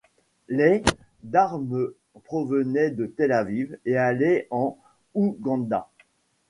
Les d'armes provenaient de Tel Aviv et allaient en Ouganda.